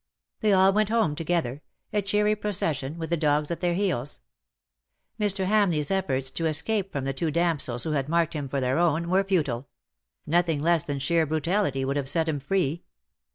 They all went home together, a cheery pro 231 cession^ with the dogs at their heels. Mr. Ham leigVs efforts to escape from the two damsels who had marked him for their own^ were futile : nothing less than sheer brutality would have set him free.